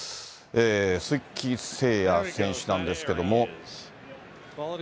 鈴木誠也選手なんですけども。